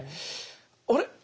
あれ？